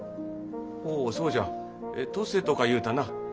おおそうじゃ登勢とかいうたな？